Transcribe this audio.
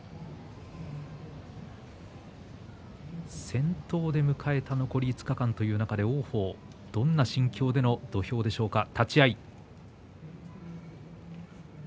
先頭で迎えた残り５日間という中で王鵬どんな心境での土俵でしょうか。